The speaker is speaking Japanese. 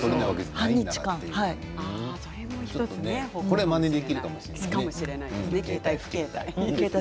これはまねできるかもしれないですね。